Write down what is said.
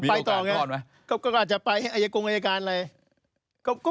อ้าวก็ไปต่อไง